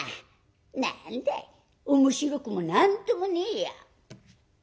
何だい面白くも何ともねえや」。